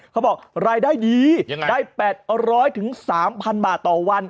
เขาบอกรายได้ดีได้๘๐๐๓๐๐บาทต่อวัน